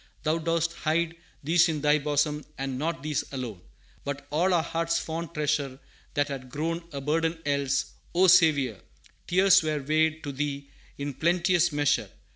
"Thou dost hide These in Thy bosom, and not these alone, But all our heart's fond treasure that had grown A burden else: O Saviour, tears were weighed To Thee in plenteous measure!